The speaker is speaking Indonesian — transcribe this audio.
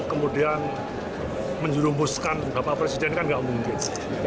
kemudian menjurumbuskan bapak presiden kan nggak mungkin